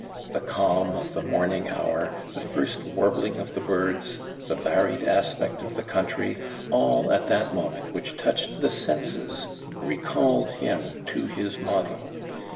The calm of the morning hour, the first warbling of the birds, the varied aspect of the country, all at that moment which touched the senses, recalled him to his model.